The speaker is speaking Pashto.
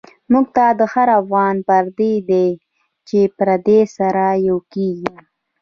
مونږ ته هر افغان پردۍ دۍ، چی پردی سره یو کیږی